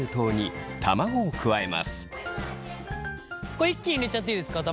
これ一気に入れちゃっていいですか卵。